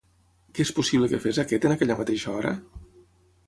Què és possible que fes aquest en aquella mateixa hora?